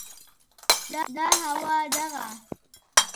دا هوا، دغه